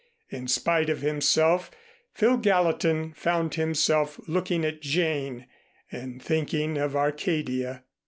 In spite of himself Phil Gallatin found himself looking at Jane and thinking of Arcadia.